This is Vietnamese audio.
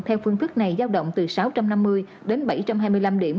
theo phương thức này giao động từ sáu trăm năm mươi đến bảy trăm hai mươi năm điểm